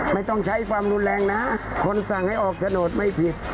ไม่ต้องใช้ความรุนแรงนะคนสั่งให้ออกโฉนดไม่ผิด